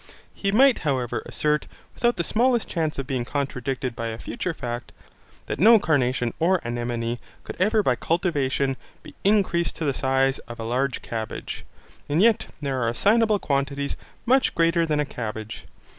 He might however assert without the smallest chance of being contradicted by a future fact, that no carnation or anemone could ever by cultivation be increased to the size of a large cabbage; and yet there are assignable quantities much greater than a cabbage.